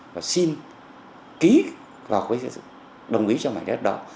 và xin ký vào quyết định đồng ý cho mảnh đất đó